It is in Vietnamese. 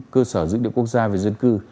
cơ sở dự định quốc gia về dân cư